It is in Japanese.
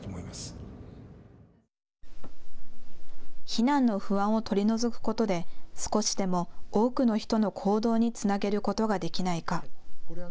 避難の不安を取り除くことで少しでも多くの人の行動につなげることができないか。